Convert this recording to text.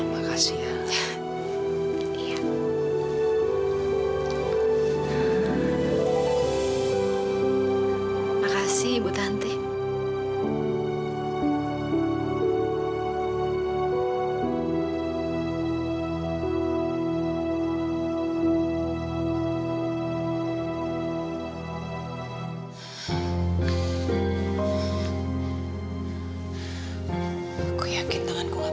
nggak boleh kayak gini doang amel